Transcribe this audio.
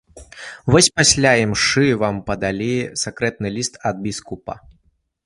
Вось пасля імшы вам падалі сакрэтны ліст ад біскупа.